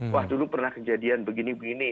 wah dulu pernah kejadian begini begini